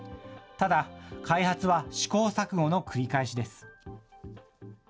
ただ、開発は試行錯誤の繰り返しです。